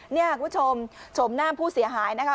นี่คุณผู้ชมชมหน้าผู้เสียหายนะคะ